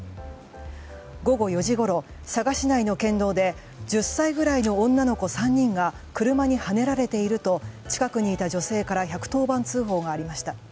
午後４時ごろ、佐賀市内の県道で１０歳ぐらいの女の子３人が車にはねられていると近くにいた女性から１１０番通報がありました。